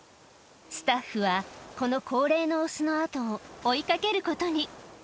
スタッフは、この高齢の雄のあとを追いかけることに。